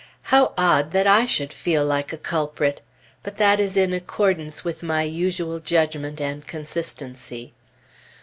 How odd that I should feel like a culprit! But that is in accordance with my usual judgment and consistency.